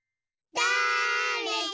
だれだ？